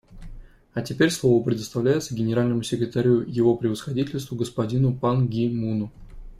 А теперь слово предоставляется Генеральному секретарю Его Превосходительству господину Пан Ги Муну.